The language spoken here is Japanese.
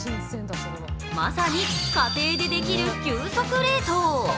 まさに家庭でできる急速冷凍。